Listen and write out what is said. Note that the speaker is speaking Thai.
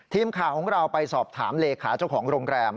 ทีมข่าวของเราไปสอบถามเลขาเจ้าของโรงแรม